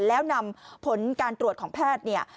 แล้วนำผลการตรวจของแพทย์